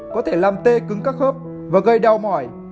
có thể làm tê cứng các khớp và gây đau mỏi